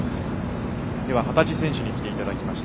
幡地選手に来ていただきました。